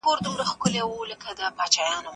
که تاسي متحد سئ افغانستان به په پښو ودرېږي.